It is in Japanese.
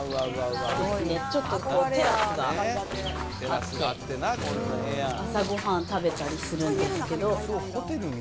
ちょっと、テラスがあって、朝ごはん食べたりするんですけど。